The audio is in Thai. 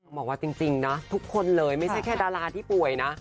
บอกว่าจริงนะทุกคนเลยไม่ใช่แค่ดาราที่ป่วยนะ